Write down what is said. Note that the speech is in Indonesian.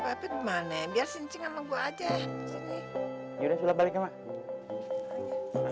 papit mana biar sincingan lagu aja ini juga sudah balik sama dia sama kau